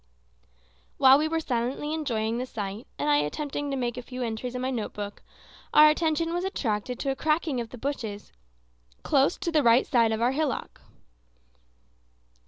While we were silently enjoying the sight, and I attempting to make a few entries in my note book, our attention was attracted to a cracking of the branches close to the right side of our hillock.